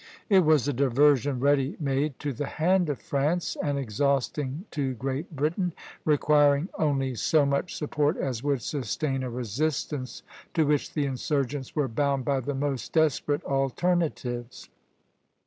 It was a diversion ready made to the hand of France and exhausting to Great Britain, requiring only so much support as would sustain a resistance to which the insurgents were bound by the most desperate alternatives.